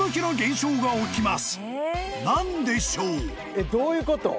えっどういうこと？